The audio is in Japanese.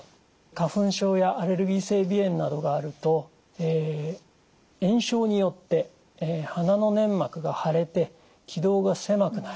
花粉症やアレルギー性鼻炎などがあると炎症によって鼻の粘膜が腫れて気道が狭くなる。